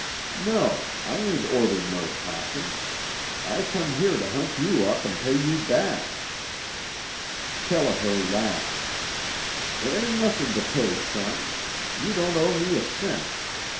"No I ain't ordered no coffin. I come here to hunt you up an' pay you back." Kelliher laughed: "There ain't nothin' to pay son. You don't owe me a cent.